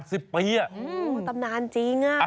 อู้ตำนานจริง